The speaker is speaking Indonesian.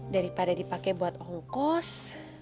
daripada dipake buat ongkos